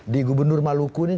di gubernur maluku ini